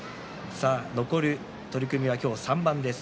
残る取組は今日３番です。